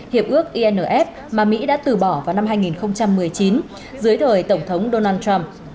hiệp ước inf mà mỹ đã từ bỏ vào năm hai nghìn một mươi chín dưới đời tổng thống donald trump